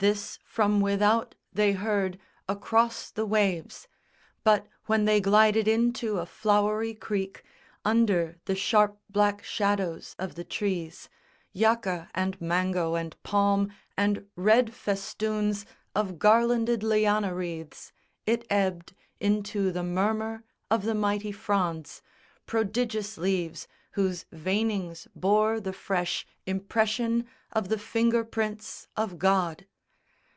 This from without they heard, across the waves; But when they glided into a flowery creek Under the sharp black shadows of the trees Jaca and Mango and Palm and red festoons Of garlanded Liana wreaths it ebbed Into the murmur of the mighty fronds, Prodigious leaves whose veinings bore the fresh Impression of the finger prints of God.